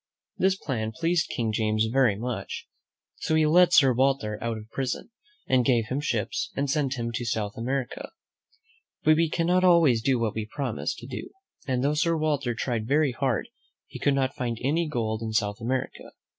This plan pleased King James very much, so he let Sir Walter out of prison, and gave him ships, and sent him to South America. But we cannot always do what we promise to do; and though Sir Walter tried very hard, he could not find any gold in South America.